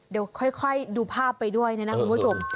เดี๋ยวค่อยดูภาพไปด้วยนะคุณผู้ชม